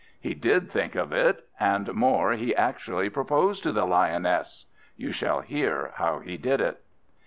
He did think of it, and more, he actually proposed to the Lioness! You shall hear how he did it.